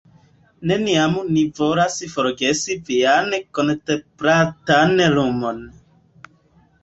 Neniam ni volas forgesi vian kontemplatan Lumon.